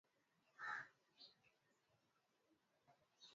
Bado, wawapo mabwana, wenye pupa na kamiyo